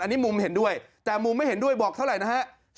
อันนี้มุมเห็นด้วยแต่มุมไม่เห็นด้วยบอกเท่าไหร่นะฮะ